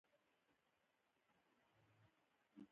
د مصنوعي هوښیارۍ سیسټمونه د انسان فکر تقلیدوي.